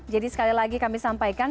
jadi sekali lagi kami sampaikan